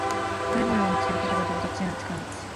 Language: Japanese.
ライバルを見つけることが上達への近道